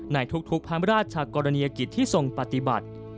ในทุกพระราชกรณียกิจที่ทรงปฏิบัติ